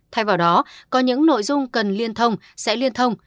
thay vào đó có những nội dung cần liên thông sẽ liên thông